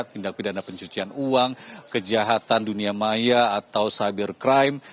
tindak pidana pencucian uang kejahatan dunia maya atau cyber crime